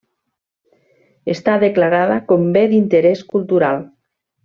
Està declarada com Bé d'Interés Cultural.